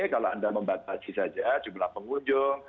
kalau anda membatasi saja jumlah pengunjung